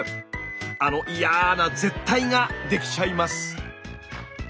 あのいやな舌苔ができちゃいます。